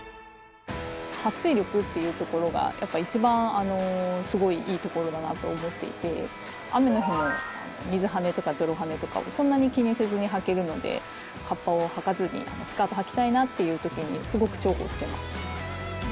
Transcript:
撥水力っていうところが一番いいところだなと思っていて雨の日も水はねとか泥はねとかをそんなに気にせずにはけるのでかっぱをはかずにスカート履きたいなっていう時にすごく重宝しています。